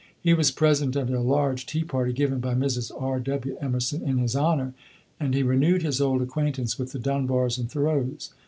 He was present at a large tea party given by Mrs. R. W. Emerson in his honor, and he renewed his old acquaintance with the Dunbars and Thoreaus.